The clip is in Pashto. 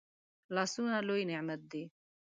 لاسونه لوي نعمت دی